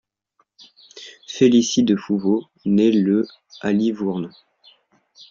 Félicie de Fauveau naît le à Livourne.